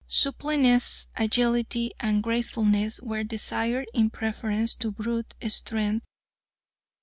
Suppleness, agility, and gracefulness were desired in preference to brute strength.